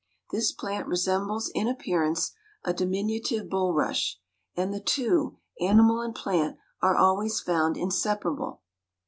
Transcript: This plant resembles in appearance a diminutive bulrush; and the two, animal and plant, are always found inseparable.